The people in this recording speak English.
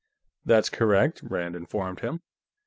"That's correct," Rand informed him.